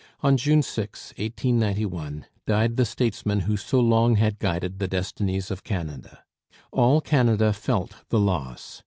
On June 6, 1891, died the statesman who so long had guided the destinies of Canada. All Canada felt the loss.